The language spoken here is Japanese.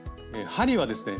針はですね